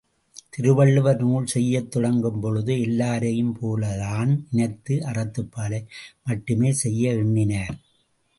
திருவள்ளுவர் நூல் செய்யத் தொடங்கும் பொழுது எல்லாரையும் போலத்தான் நினைத்து அறத்துப்பாலை மட்டுமே செய்ய எண்ணினார்.